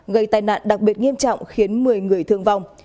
gây tai nạn đặc biệt nghiêm trọng khiến một mươi người thương vong